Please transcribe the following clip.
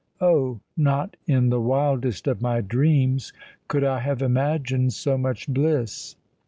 Oh! not in the wildest of my dreams could I have imagined so much bliss.